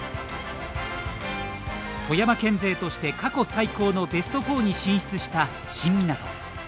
富山県勢として過去最高のベスト４に進出した新湊。